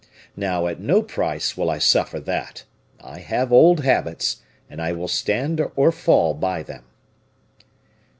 Now, at no price will I suffer that. I have old habits, and I will stand or fall by them."